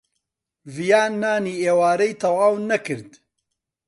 ڤیان نانی ئێوارەی تەواو نەکرد.